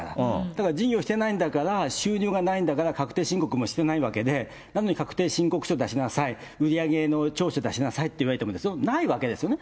だから、事業してないんだから、収入がないんだから、確定申告もしてないわけで、なのに確定申告書出しなさい、売り上げの調書を出しなさいって言われてもですよ、ないわけですよね。